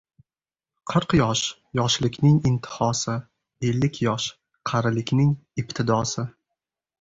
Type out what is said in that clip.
Qirq yosh — yoshlikning intihosi, ellik yosh — qarilikning ibtidosi.